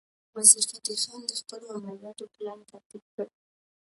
وزیرفتح خان د خپلو عملیاتو پلان ترتیب کړ.